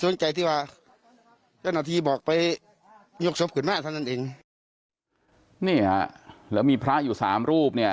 นี่ครับแล้วมีพระอยู่๓รูป